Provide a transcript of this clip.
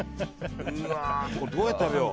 これどうやって食べよう。